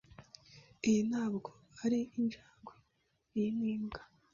Iyi ntabwo ari injangwe. Iyi ni imbwa.